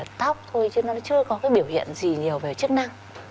tóc thôi chứ nó chưa có cái biểu hiện gì nhiều về chức năng